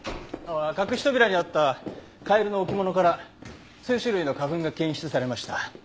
隠し扉にあったカエルの置物から数種類の花粉が検出されました。